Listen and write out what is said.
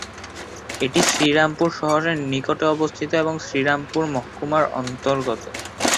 এটি শ্রীরামপুর শহরের নিকটে অবস্থিত এবং শ্রীরামপুর মহকুমার অন্তর্গত।